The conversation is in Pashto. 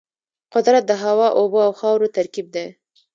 قدرت د هوا، اوبو او خاورو ترکیب دی.